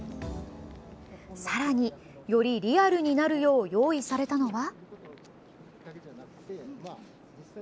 さらに、よりリアルになるよう用意されたのは。